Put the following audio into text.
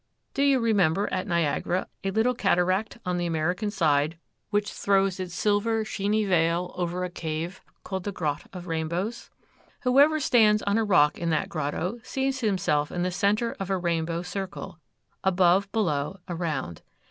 Do you remember, at Niagara, a little cataract on the American side, which throws its silver sheeny veil over a cave called the Grot of Rainbows? Whoever stands on a rock in that grotto sees himself in the centre of a rainbow circle, above, below, around.